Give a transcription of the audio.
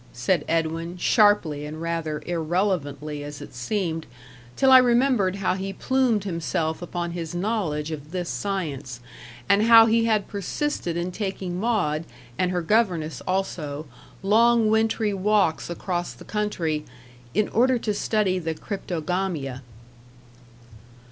said Edwin, sharply and rather irrelevantly as it seemed, till I remembered how he plumed himself upon his knowledge of this science, and how he had persisted in taking Maud, and her governess also, long wintry walks across the country, "in order to study the cryptogamia."